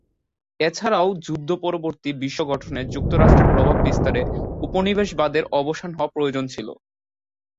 এছাড়াও যুদ্ধ পরবর্তী বিশ্ব গঠনে যুক্তরাষ্ট্রের প্রভাব বিস্তারে উপনিবেশবাদের অবসান হওয়া প্রয়োজন ছিল।